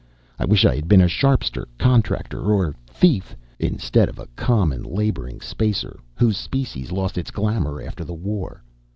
I wish I had been a sharpster, contractor, or thief ... instead of a common laboring spacer, whose species lost its glamor after the war.